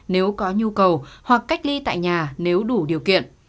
nếu có nhu cầu hoặc cách ly tại nhà nếu đủ điều kiện